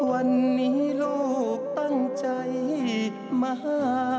วันนี้ลูกตั้งใจมาหา